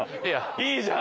いいじゃん！